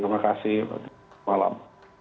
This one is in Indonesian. terima kasih selamat malam